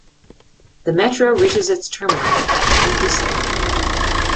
The metro reaches its terminal at Pont de Sèvres.